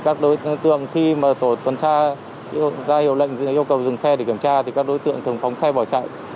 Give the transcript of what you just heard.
các đối tượng khi mà tổ tuần tra ra hiệu lệnh dừng xe để kiểm tra thì các đối tượng thường phóng xe bỏ chạy